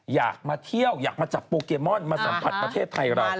อยากมาเที่ยวอยากมาจับโปเกมอนมาสัมผัสประเทศไทยเรา